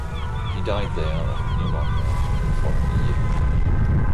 He died there of pneumonia the following year.